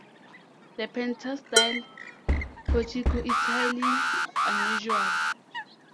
The pentastyle portico is highly unusual.